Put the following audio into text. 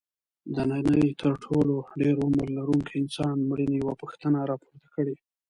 د نړۍ تر ټولو د ډېر عمر لرونکي انسان مړینې یوه پوښتنه راپورته کړې.